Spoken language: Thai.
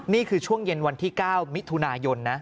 นี่คือช่วงเย็นวันที่๙มิถุนายนนะ